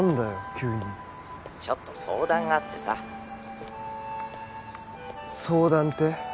急に☎ちょっと相談があってさ相談って？